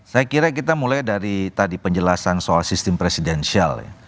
saya kira kita mulai dari tadi penjelasan soal sistem presidensial ya